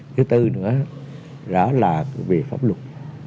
thứ tư nữa là về pháp luật